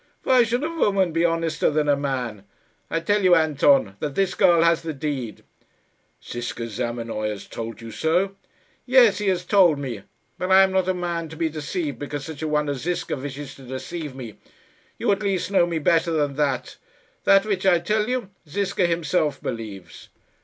"Why should a woman be honester than a man? I tell you, Anton, that this girl has the deed." "Ziska Zamenoy has told you so?" "Yes, he has told me. But I am not a man to be deceived because such a one as Ziska wishes to deceive me. You, at least, know me better than that. That which I tell you, Ziska himself believes."